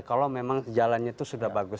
kalau memang jalannya itu sudah bagus